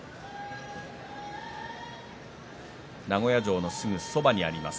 名古屋城のすぐそばにあります